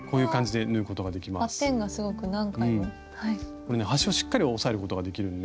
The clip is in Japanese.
これね端をしっかり押さえることができるんで。